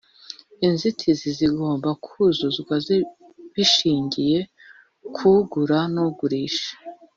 inzitizi zigomba kuzuzwa bishingiye kugura nugurisha